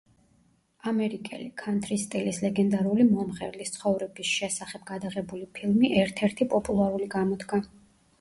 ამერიკელი, ქანთრის სტილის ლეგენდარული მომღერლის ცხოვრების შესახებ გადაღებული ფილმი ერთ-ერთი პოპულარული გამოდგა.